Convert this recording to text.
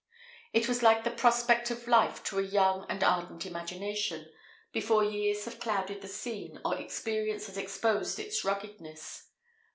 It was like the prospect of life to a young and ardent imagination, before years have clouded the scene, or experience has exposed its ruggedness.